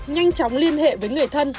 nhanh chóng liên hệ với người thân